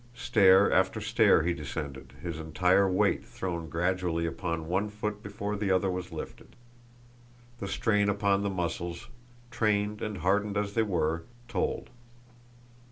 Stair after stair he descended, his entire weight thrown gradually upon one foot before the other was lifted. The strain upon the muscles, trained and hardened as they were, told.